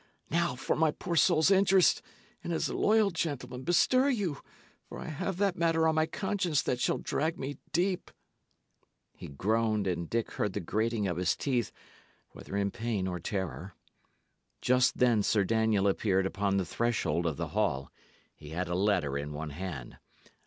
Now, for my poor soul's interest, and as a loyal gentleman, bestir you; for I have that matter on my conscience that shall drag me deep." He groaned, and Dick heard the grating of his teeth, whether in pain or terror. Just then Sir Daniel appeared upon the threshold of the hall. He had a letter in one hand.